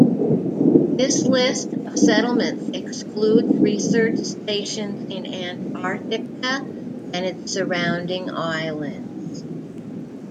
This list of settlements excludes research stations in Antarctica and its surrounding islands.